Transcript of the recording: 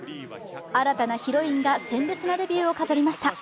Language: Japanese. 新たなヒロインが鮮烈なデビューを飾りました。